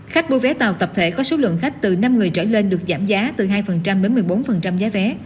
khách mua vé tàu tập thể có số lượng khách từ năm người trở lên được giảm giá từ hai đến một mươi bốn giá vé